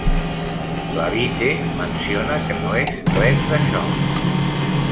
La "vitae" menciona que no és res d'això.